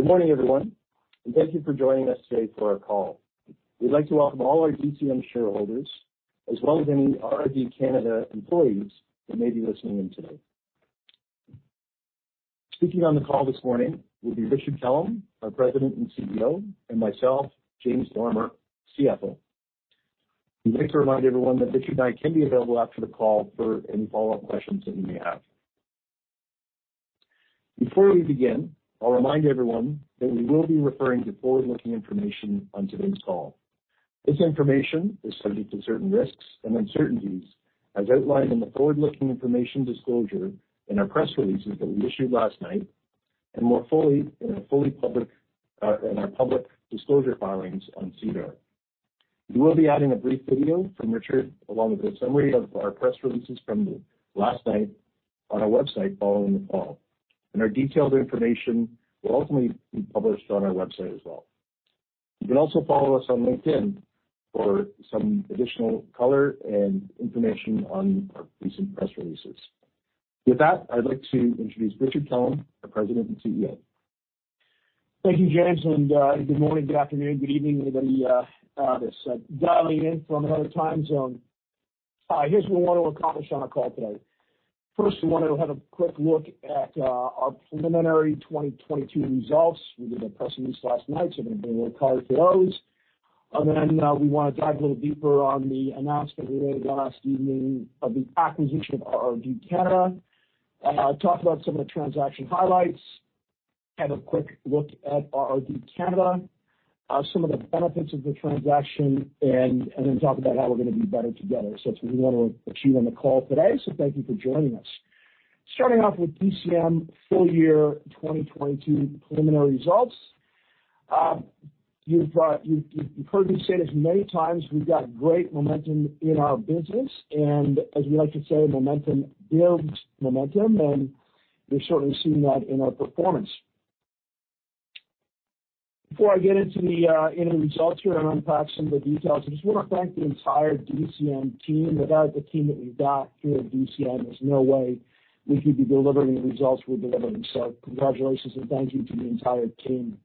Good morning, everyone, and thank you for joining us today for our call. We'd like to welcome all our DCM shareholders as well as any RRD Canada employees that may be listening in today. Speaking on the call this morning will be Richard Kellam, our President and CEO, and myself, James Lorimer, CFO. We'd like to remind everyone that Richard and I can be available after the call for any follow-up questions that you may have. Before we begin, I'll remind everyone that we will be referring to forward-looking information on today's call. This information is subject to certain risks and uncertainties as outlined in the forward-looking information disclosure in our press releases that we issued last night and more fully in our public disclosure filings on SEDAR. We will be adding a brief video from Richard along with a summary of our press releases from last night on our website following the call. Our detailed information will ultimately be published on our website as well. You can also follow us on LinkedIn for some additional color and information on our recent press releases. With that, I'd like to introduce Richard Kellam, our President and CEO. Thank you, James Lorimer, and good morning, good afternoon, good evening to anybody that's dialing in from another time zone. Here's what we want to accomplish on our call today. First, we wanna have a quick look at our preliminary 2022 results. We did a press release last night, so we're gonna be a little quicker for those. Then we wanna dive a little deeper on the announcement we made last evening of the acquisition of RRD Canada. Talk about some of the transaction highlights, have a quick look at RRD Canada, some of the benefits of the transaction, and then talk about how we're gonna be better together. That's what we wanna achieve on the call today, so thank you for joining us. Starting off with DCM full year 2022 preliminary results. You've heard me say this many times, we've got great momentum in our business, and as we like to say, momentum builds momentum, and we're certainly seeing that in our performance. Before I get into the results here and unpack some of the details, I just wanna thank the entire DCM team. Without the team that we've got here at DCM, there's no way we could be delivering the results we're delivering. Congratulations and thank you to the entire team.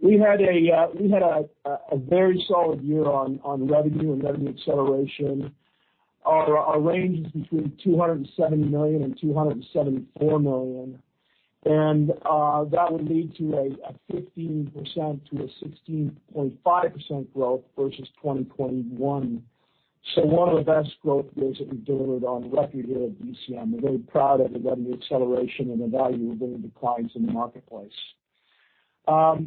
We had a very solid year on revenue and revenue acceleration. Our range is between 270 million and 274 million. That would lead to a 15%-16.5% growth versus 2021. One of the best growth years that we've delivered on record here at DCM. We're very proud of the revenue acceleration and the value we're bringing to clients in the marketplace. Our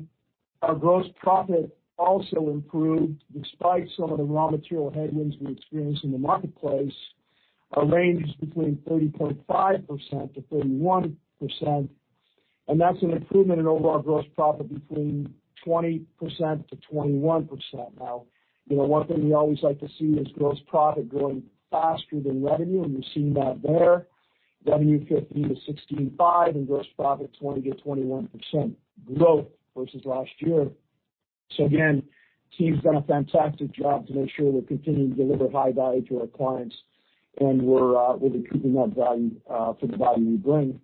gross profit also improved despite some of the raw material headwinds we experienced in the marketplace, a range between 30.5%-31%, and that's an improvement in overall gross profit between 20%-21%. You know, one thing we always like to see is gross profit growing faster than revenue, and we've seen that there. Revenue 15%-16.5% and gross profit 20%-21% growth versus last year. Again, team's done a fantastic job to make sure we're continuing to deliver high value to our clients, and we're recouping that value for the value we bring.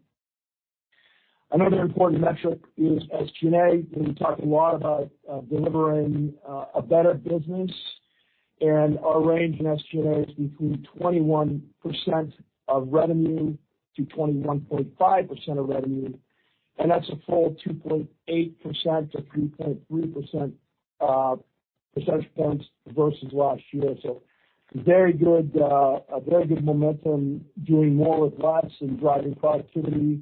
Another important metric is SG&A. We talk a lot about delivering a better business. Our range in SG&A is between 21%-21.5% of revenue. That's a full 2.8%-3.3% percentage points versus last year. Very good, a very good momentum, doing more with less and driving productivity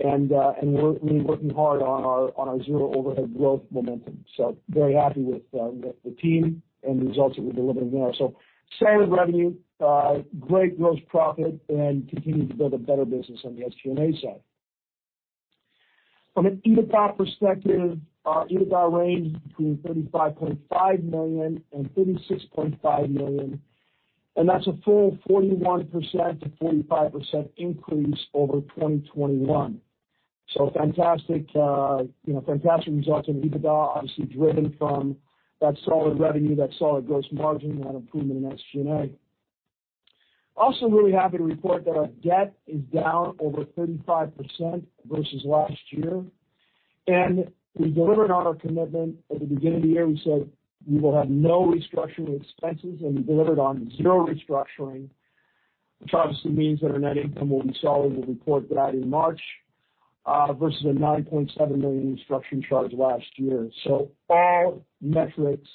and really working hard on our zero overhead growth momentum. Very happy with the team and the results that we're delivering there. Solid revenue, great gross profit, and continuing to build a better business on the SG&A side. From an EBITDA perspective, our EBITDA range between 35.5 million and 36.5 million. That's a full 41%-45% increase over 2021. Fantastic, you know, fantastic results in EBITDA, obviously driven from that solid revenue, that solid gross margin, and that improvement in SG&A. Also really happy to report that our debt is down over 35% versus last year. We delivered on our commitment. At the beginning of the year, we said we will have no restructuring expenses, and we delivered on 0 restructuring, which obviously means that our net income will be solid. We'll report that in March, versus a 9.7 million restructuring charge last year. All metrics,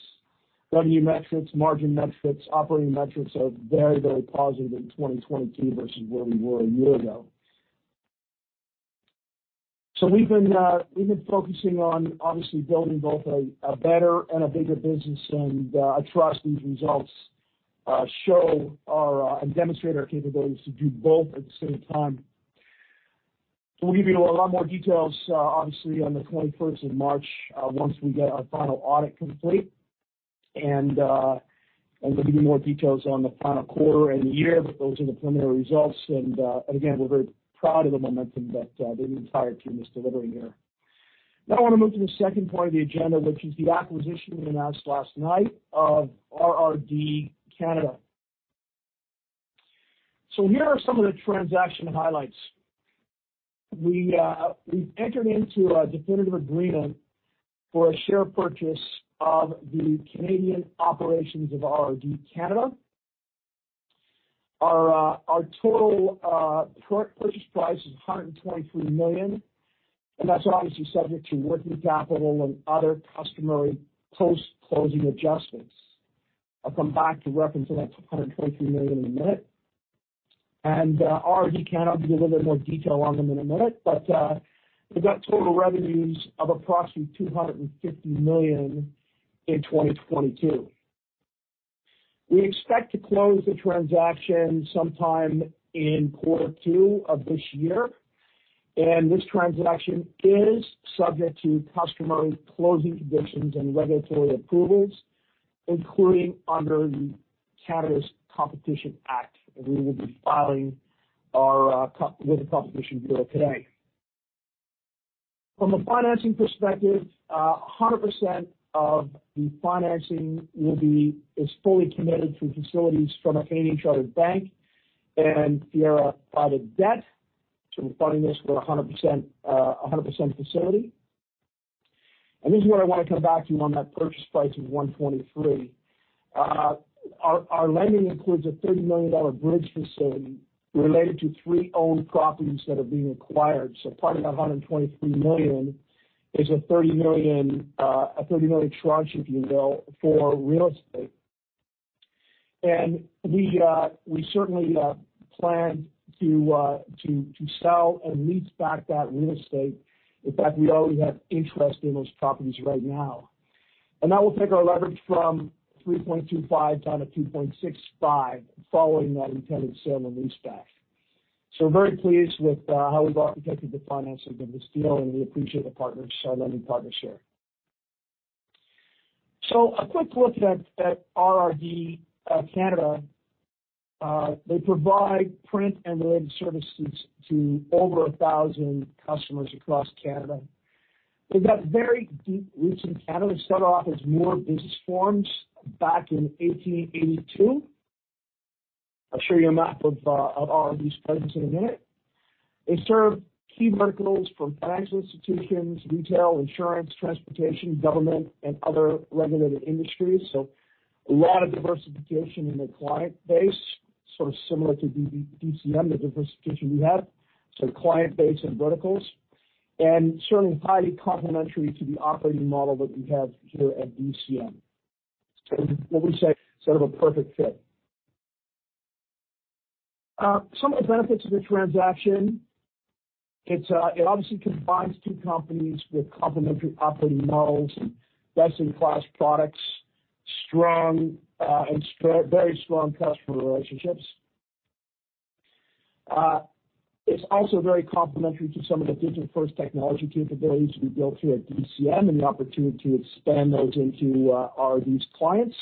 revenue metrics, margin metrics, operating metrics are very, very positive in 2022 versus where we were a year ago. We've been focusing on obviously building both a better and a bigger business, and I trust these results show our and demonstrate our capabilities to do both at the same time. We'll give you a lot more details obviously on the 21st of March once we get our final audit complete, and we'll give you more details on the final quarter and the year, but those are the preliminary results. Again, we're very proud of the momentum that the entire team is delivering here. Now I wanna move to the second part of the agenda, which is the acquisition we announced last night of RRD Canada. Here are some of the transaction highlights. We've entered into a definitive agreement for a share purchase of the Canadian operations of RRD Canada. Our total purchase price is 123 million, that's obviously subject to working capital and other customary post-closing adjustments. I'll come back to reference that 223 million in a minute. RRD Canada, I'll give a little bit more detail on them in a minute, but they've got total revenues of approximately 250 million in 2022. We expect to close the transaction sometime in Q2 of this year, this transaction is subject to customary closing conditions and regulatory approvals, including under the Canada's Competition Act. We will be filing our with the Competition Bureau today. From a financing perspective, 100% of the financing is fully committed through facilities from a Canadian chartered bank and Fiera Private Debt. We're funding this with a 100%, a 100% facility. This is where I wanna come back to on that purchase price of 123 million. Our, our lending includes a 30 million dollar bridge facility related to three owned properties that are being acquired. Part of the 123 million is a 30 million, a 30 million tranche, if you will, for real estate. We, we certainly, plan to, to sell and lease back that real estate. In fact, we already have interest in those properties right now. That will take our leverage from 3.25 down to 2.65, following that intended sale and lease back. We're very pleased with how we've architected the financing of this deal, and we appreciate the partners, our lending partners here. A quick look at RRD Canada. They provide print and related services to over 1,000 customers across Canada. They've got very deep roots in Canada. They started off as Moore Business Forms back in 1882. I'll show you a map of RRD's presence in a minute. They serve key verticals from financial institutions, retail, insurance, transportation, government, and other regulated industries. A lot of diversification in the client base, sort of similar to DCM, the diversification we have. Client base and verticals, and certainly highly complementary to the operating model that we have here at DCM. What we say, sort of a perfect fit. Some of the benefits of the transaction, it obviously combines two companies with complementary operating models, best-in-class products, strong and very strong customer relationships. It's also very complementary to some of the digital-first technology capabilities we built here at DCM and the opportunity to expand those into RRD's clients.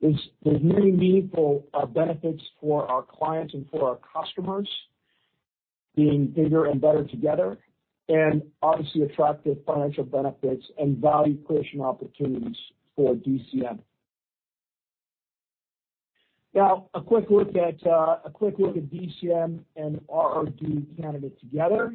There's really meaningful benefits for our clients and for our customers being bigger and better together, and obviously attractive financial benefits and value creation opportunities for DCM. Now, a quick look at a quick look at DCM and RRD Canada together.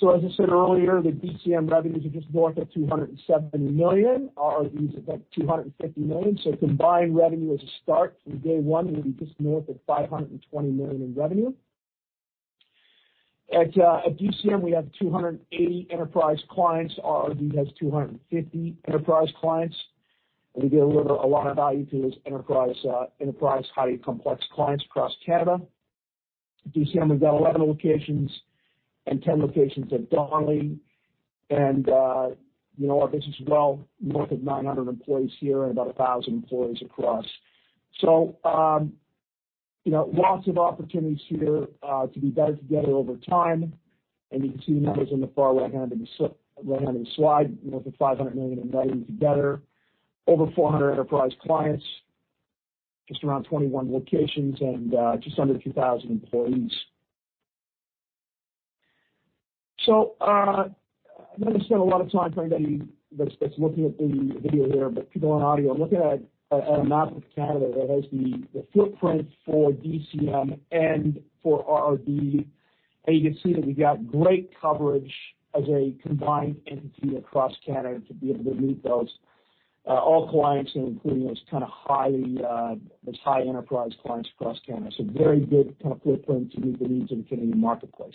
As I said earlier, the DCM revenues are just north of 270 million. RRD is about 250 million. Combined revenue as a start from day one will be just north of 520 million in revenue. At DCM, we have 280 enterprise clients. RRD has 250 enterprise clients, and we deliver a lot of value to those enterprise, highly complex clients across Canada. DCM has got 11 locations and 10 locations at Donnelly. You know, our business is well north of 900 employees here and about 1,000 employees across. You know, lots of opportunities here to be better together over time. You can see the numbers on the far right-hand of the right-hand of the slide, north of 500 million in revenues together. Over 400 enterprise clients, just around 21 locations, and just under 2,000 employees. I'm gonna spend a lot of time for anybody that's looking at the video here, but people on audio, I'm looking at a map of Canada that has the footprint for DCM and for RRD. You can see that we've got great coverage as a combined entity across Canada to be able to meet those all clients and including those kind of highly those high enterprise clients across Canada. Very good kind of footprint to meet the needs of the Canadian marketplace.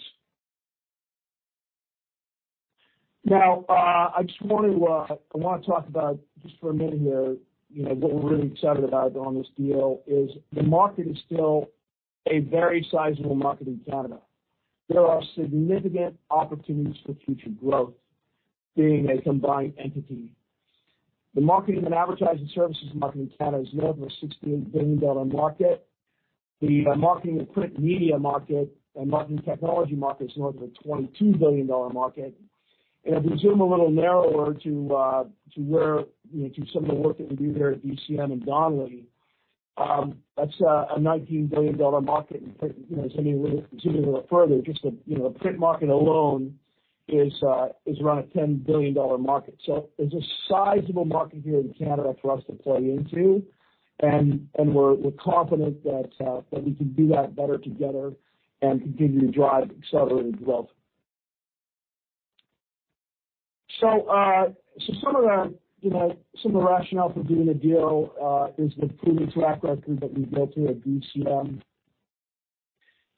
Now, I just want to I wanna talk about just for a minute here, you know, what we're really excited about on this deal is the market is still a very sizable market in Canada. There are significant opportunities for future growth being a combined entity. The marketing and advertising services market in Canada is an over 68 billion dollar market. The marketing and print media market and marketing technology market is an over 22 billion dollar market. If we zoom a little narrower to where, you know, to some of the work that we do here at DCM and Donnelly, that's a CAD 19 billion market in print. You know, zooming a little further, just the, you know, print market alone is around a 10 billion dollar market. There's a sizable market here in Canada for us to play into and we're confident that we can do that better together and continue to drive accelerated growth. Some of the, you know, some of the rationale for doing the deal is the proven track record that we've built here at DCM. You know,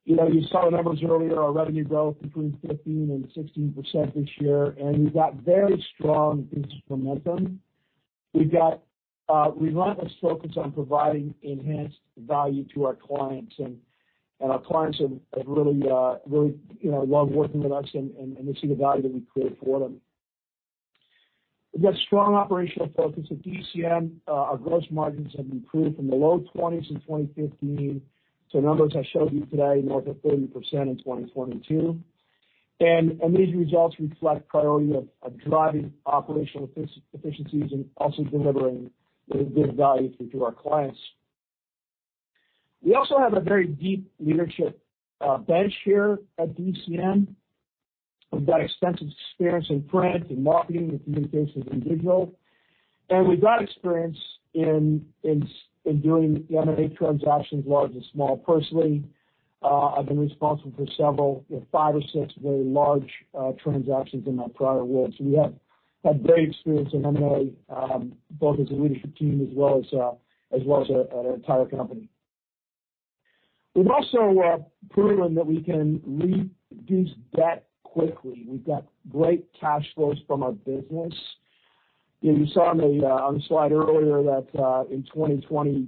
you saw the numbers earlier. Our revenue growth between 15% and 16% this year, and we've got very strong industry momentum. We've got relentless focus on providing enhanced value to our clients, and our clients have really, you know, love working with us, and they see the value that we create for them. We've got strong operational focus at DCM. Our gross margins have improved from the low twenties in 2015 to numbers I showed you today, north of 30% in 2022. These results reflect priority of driving operational efficiencies and also delivering really good value to our clients. We also have a very deep leadership bench here at DCM. We've got extensive experience in print and marketing and communications and digital, and we've got experience in doing M&A transactions, large and small. Personally, I've been responsible for several, you know, 5 or 6 very large transactions in my prior role. We have a great experience in M&A, both as a leadership team as well as an entire company. We've also proven that we can reduce debt quickly. We've got great cash flows from our business. You know, you saw on the slide earlier that in 2022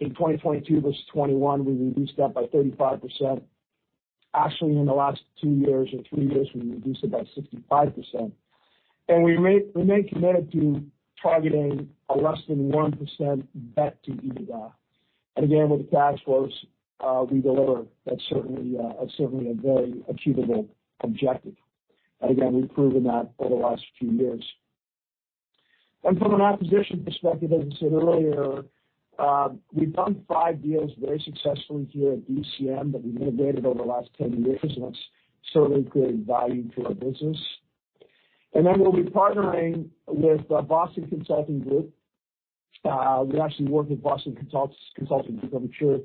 versus 2021, we reduced that by 35%. Actually, in the last 2 years or 3 years, we reduced it by 65%. We remain committed to targeting a less than 1% debt to EBITDA. Again, with the cash flows we deliver, that's certainly a very achievable objective. Again, we've proven that over the last few years. From an acquisition perspective, as I said earlier, we've done 5 deals very successfully here at DCM that we've integrated over the last 10 years, and that's certainly created value for our business. We'll be partnering with Boston Consulting Group. We actually work with Boston Consulting Group. I'm sure,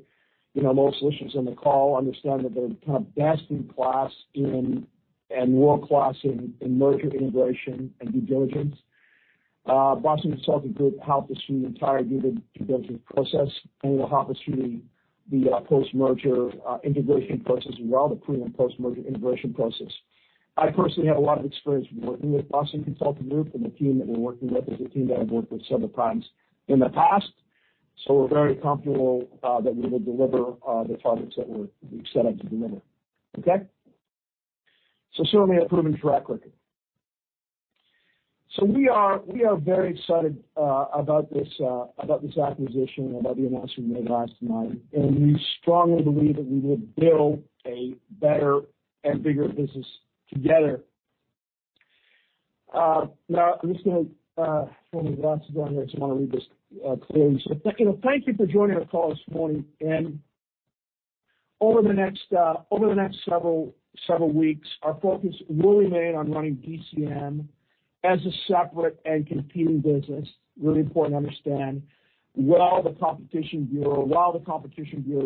you know, most listeners on the call understand that they're kind of best in class and world-class in merger integration and due diligence. Boston Consulting Group helped us through the entire due diligence process and will help us through the post-merger integration process as well, the pre and post-merger integration process. I personally have a lot of experience working with Boston Consulting Group and the team that we're working with is a team that I've worked with several times in the past. We're very comfortable that we will deliver the targets that we've set out to deliver. Okay? Certainly a proven track record. We are very excited about this acquisition and about the announcement we made last night, and we strongly believe that we will build a better and bigger business together. Now I'm just gonna... Hold on a second. I just wanna read this closing statement. You know, thank you for joining our call this morning. Over the next several weeks, our focus will remain on running DCM as a separate and competing business, really important to understand, while the Competition Bureau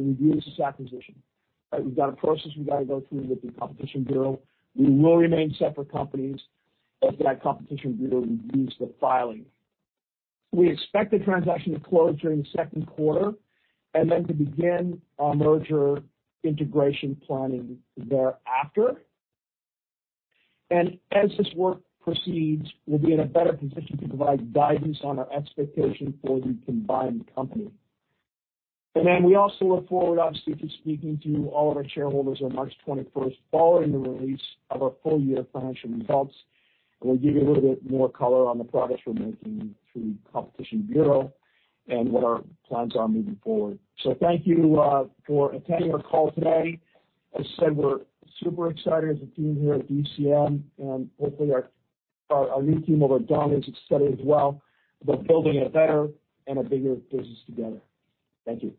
reviews this acquisition. Right? We've got a process we've gotta go through with the Competition Bureau. We will remain separate companies as that Competition Bureau reviews the filing. We expect the transaction to close during the second quarter and then to begin our merger integration planning thereafter. As this work proceeds, we'll be in a better position to provide guidance on our expectation for the combined company. We also look forward, obviously, to speaking to all of our shareholders on March 21st, following the release of our full year financial results, and we'll give you a little bit more color on the progress we're making through the Competition Bureau and what our plans are moving forward. Thank you for attending our call today. As I said, we're super excited as a team here at DCM, and hopefully our lead team over at Donnelley's is excited as well about building a better and a bigger business together. Thank you.